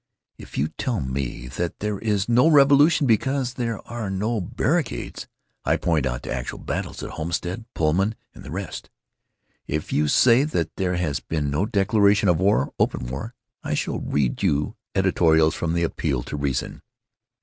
If you tell me that there is no revolution because there are no barricades, I point to actual battles at Homestead, Pullman, and the rest. If you say that there has been no declaration of war, open war, I shall read you editorials from The Appeal to Reason.